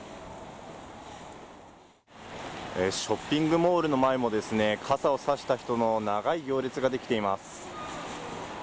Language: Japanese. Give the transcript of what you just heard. ショッピングモールの前も、傘を差した人の長い行列が出来ています。